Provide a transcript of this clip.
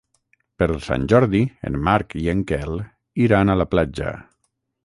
Per Sant Jordi en Marc i en Quel iran a la platja.